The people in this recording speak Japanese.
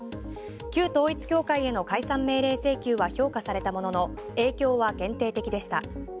旧統一教会への解散命令請求は評価されたものの影響は限定的でした。